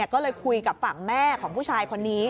ก็เลยคุยกับฝั่งแม่ของผู้ชายคนนี้